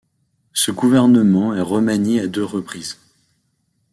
Ce gouvernement est remanié à deux reprises.